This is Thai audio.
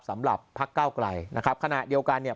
สำหรับพักเก้าไกลนะครับขณะเดียวกันเนี่ย